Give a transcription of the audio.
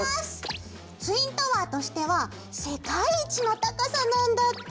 ツインタワーとしては世界一の高さなんだって。